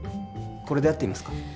これで合っていますか？